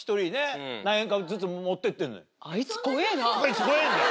あいつ怖えぇんだ。